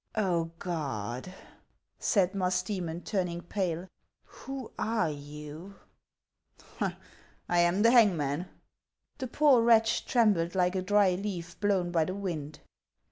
" Oh, God !" said Musdcemon, turning pale, " who are you ?"" I am the hangman." The poor wretch trembled like a dry leaf blown by the wind.